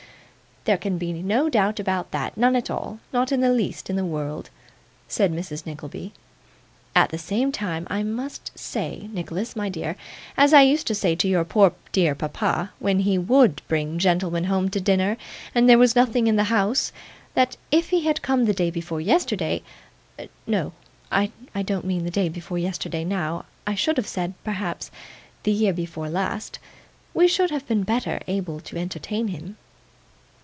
There can be no doubt about that; none at all; not the least in the world,' said Mrs Nickleby. 'At the same time I must say, Nicholas, my dear, as I used to say to your poor dear papa, when he WOULD bring gentlemen home to dinner, and there was nothing in the house, that if he had come the day before yesterday no, I don't mean the day before yesterday now; I should have said, perhaps, the year before last we should have been better able to entertain him.